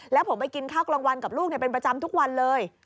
แล้วผมไปกินข้าวกลางวันกับลูกเป็นประจำทุกวันเลย